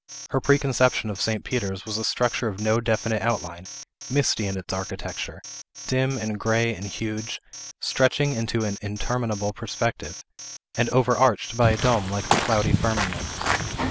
Her preconception of St. Peter's was a structure of no definite outline, misty in its architecture, dim and gray and huge, stretching into an interminable perspective, and overarched by a dome like the cloudy firmament.